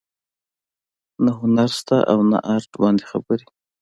نه هنر شته او نه ارټ باندې خبرې